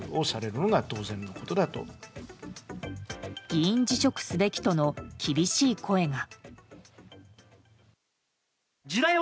議員辞職すべきとの厳しい声が。